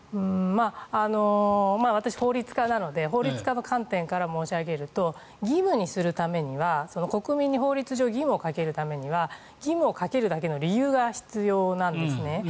私、法律家なので法律家の観点から申し上げると義務にするためには国民に法律上、義務をかけるためには義務をかけるだけの理由が必要なんですね。